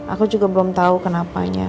aku juga belum tahu kenapanya